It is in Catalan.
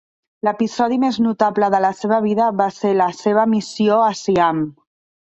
L'episodi més notable de la seva vida va ser la seva missió a Siam.